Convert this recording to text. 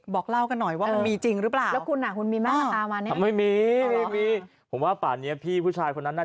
บอกเล่ากันหน่อยว่ามันมีจริงหรือเปล่า